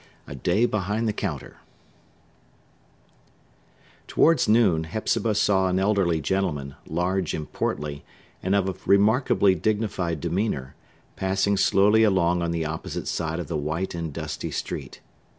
A Day Behind the Counter Towards noon, Hepzibah saw an elderly gentleman, large and portly, and of remarkably dignified demeanor, passing slowly along on the opposite side of the white and dusty street.